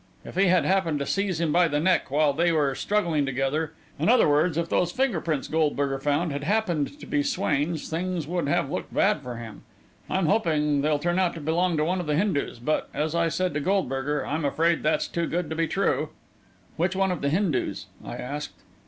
If he had happened to seize him by the neck, while they were struggling together, in other words, if those finger prints Goldberger found had happened to be Swain's things would have looked bad for him. I'm hoping they'll turn out to belong to one of the Hindus but, as I said to Goldberger, I'm afraid that's too good to be true." "Which one of the Hindus?" I asked.